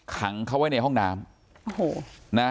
ขังเขาไว้ในห้องน้ำ